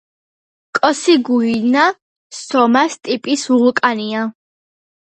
კოსიგუინა სომას ტიპის ვულკანია.